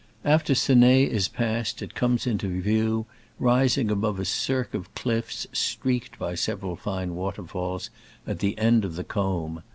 After Ceneil is passed it comes into view, rising above a cirque of cliffs (streaked by several fine water falls), at the end of the combe.